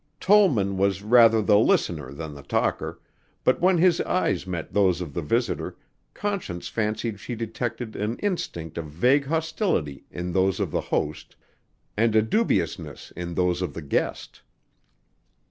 Tollman was rather the listener than the talker, but when his eyes met those of the visitor, Conscience fancied she detected an instinct of vague hostility in those of the host and a dubiousness in those of the guest.